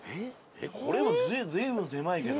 えっこれも随分狭いけど。